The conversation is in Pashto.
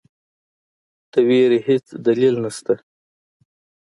د وېرې هیڅ دلیل نسته.